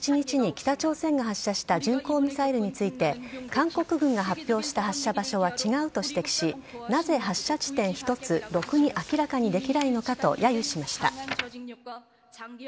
また、１７日に北朝鮮が発射した巡航ミサイルについて韓国軍が発表した発射場所は違うと指摘しなぜ発射地点一つろくに明らかにできないのかとやゆしました。